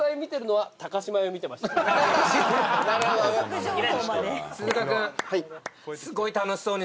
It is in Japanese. はい。